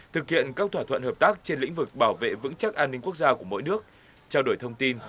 thực hiện các thỏa thuận hợp tác trên lĩnh vực bảo vệ vững chắc an ninh quốc gia của mỗi nước trao đổi thông tin